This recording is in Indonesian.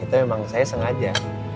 itu emang saya sengaja